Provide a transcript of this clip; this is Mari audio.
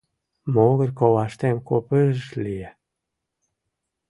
Могыр коваштем копыж-ж лие.